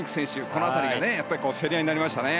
この辺りが競り合いになりましたね。